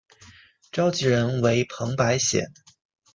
召集人为彭百显。